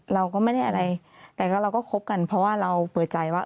เราก็ไม่ได้อะไรแต่เราก็คบกันเพราะว่าเราเปิดใจว่า